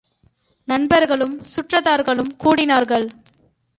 நண்பர்களும் சுற்றத்தார்களும் கூடினார்கள்.